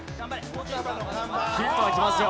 ヒントがきますよ。